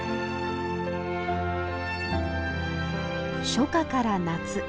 初夏から夏。